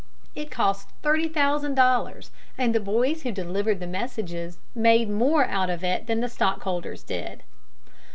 It cost thirty thousand dollars, and the boys who delivered the messages made more out of it then than the stockholders did.